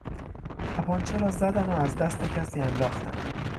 تپانچه را زدن و از دست کسی انداختن